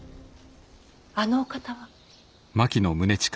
あのお方は？